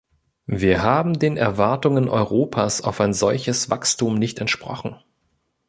Wir haben den Erwartungen Europas auf ein solches Wachstum nicht entsprochen.